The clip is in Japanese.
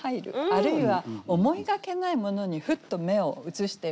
あるいは思いがけないものにふっと目を移してみる。